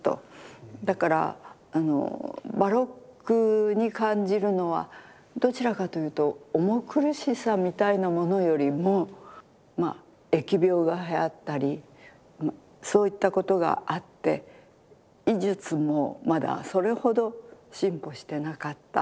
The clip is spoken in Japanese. だからバロックに感じるのはどちらかというと重苦しさみたいなものよりも疫病がはやったりそういったことがあって医術もまだそれほど進歩してなかった。